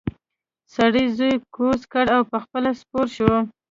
سړي زوی کوز کړ او پخپله سپور شو.